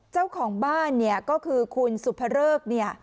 เจ้าของบ้านเนี่ยก็คือคุณสุภเริกเนี่ย